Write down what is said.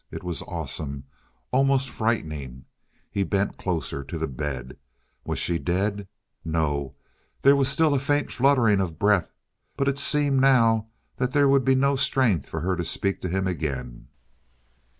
It was awesome; almost frightening. He bent closer to the bed. Was she dead? No, there was still a faint fluttering breath, but it seemed now that there would be no strength for her to speak to him again.